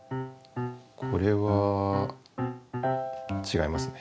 これはちがいますね。